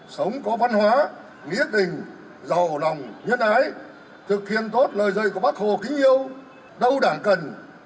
sống có văn hóa nghĩa tình giàu lòng nhân ái thực hiện tốt lời dạy của bác hồ kính yêu đâu đảng cần